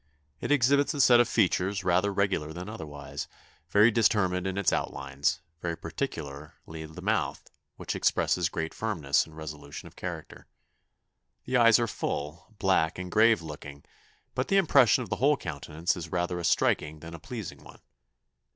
It exhibits a set of features rather regular than otherwise, very determined in its outlines, more particularly the mouth, which expresses great firmness and resolution of character. The eyes are full, black, and grave looking, but the impression of the whole countenance is rather a striking than a pleasing one.